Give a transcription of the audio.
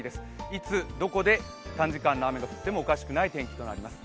いつどこで短時間の雨が降ってもおかしくない天気となります。